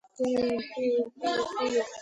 ელენე ტირის